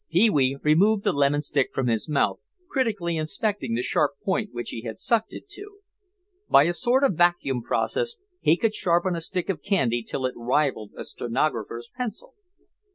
Pee wee removed the lemon stick from his mouth, critically inspecting the sharp point which he had sucked it to. By a sort of vacuum process he could sharpen a stick of candy till it rivaled a stenographer's pencil.